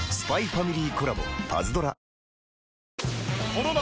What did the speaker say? この夏